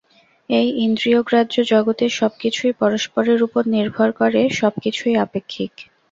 এই ইন্দ্রিয়গ্রাহ্য জগতের সব কিছুই পরস্পরের উপর নির্ভর করে, সব-কিছুই আপেক্ষিক।